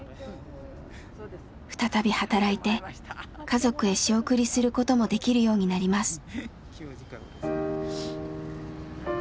再び働いて家族へ仕送りすることもできるようになります。